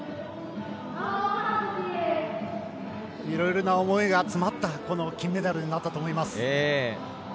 いろいろな思いが詰まった金メダルだと思います。